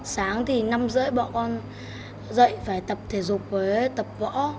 sáng thì năm rưỡi bọn con dạy phải tập thể dục với tập võ